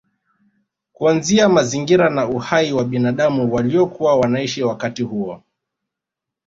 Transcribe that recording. Kuanzia mazingira na uhai wa binadamu waliokuwa wanaishi wakati huo